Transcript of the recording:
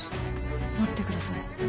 待ってください。